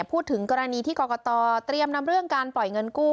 พูดถึงกรณีที่กรกตเตรียมนำเรื่องการปล่อยเงินกู้